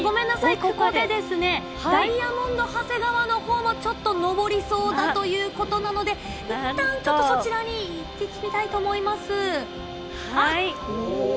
ここでですね、ダイヤモンド長谷川のほうもちょっと昇りそうだということなので、いったんちょっとそちらにいってみたいと思います。